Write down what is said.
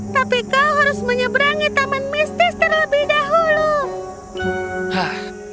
tapi kau harus menyeberangi taman mistis terlebih dahulu